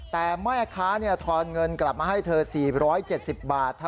แต่แม่ค้าทอนเงินกลับมาให้เธอ๔๗๐บาท